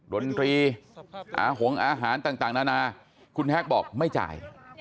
ดนตรีอาหงอาหารต่างนานาคุณแฮกบอกไม่จ่าย